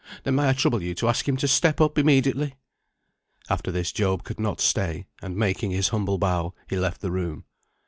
Then may I trouble you to ask him to step up immediately?" After this Job could not stay, and, making his humble bow, he left the room.